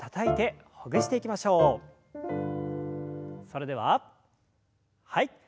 それでははい。